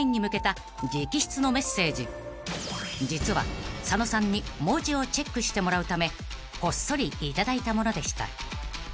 ［実は佐野さんに文字をチェックしてもらうためこっそり頂いたものでした］